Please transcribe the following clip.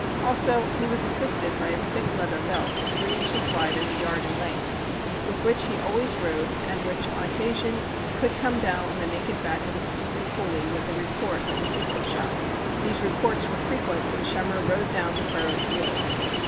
Also, he was assisted by a thick leather belt, three inches wide and a yard in length, with which he always rode and which, on occasion, could come down on the naked back of a stooping coolie with a report like a pistol shot. These reports were frequent when Schemmer rode down the furrowed field.